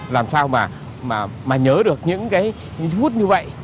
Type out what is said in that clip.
làm sao mà nhớ được những cái hút như vậy